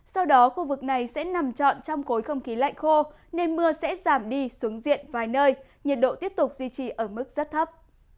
sau đó khu vực này sẽ nằm trọn trong khối không khí lạnh khô nên mưa sẽ giảm đi xuống diện vài nơi nhiệt độ tiếp tục duy trì ở mức rất thấp